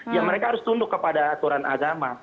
ya mereka harus tunduk kepada aturan agama